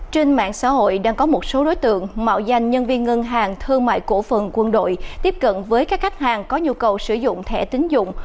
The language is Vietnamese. trên mạng xã hội đang có một số đối tượng mạo danh nhân viên ngân hàng thương mại cổ phần quân đội tiếp cận với các khách hàng có nhu cầu sử dụng thẻ tính dụng